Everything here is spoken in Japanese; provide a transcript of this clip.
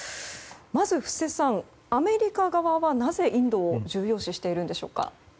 まず布施さん、アメリカ側はなぜインドを重要視しているんでしょうか。